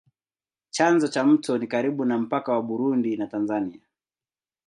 Chanzo cha mto ni karibu na mpaka wa Burundi na Tanzania.